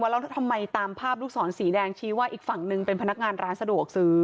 แล้วทำไมตามภาพลูกศรสีแดงชี้ว่าอีกฝั่งหนึ่งเป็นพนักงานร้านสะดวกซื้อ